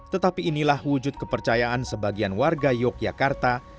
tetapi inilah wujud kepercayaan sebagian warga yogyakarta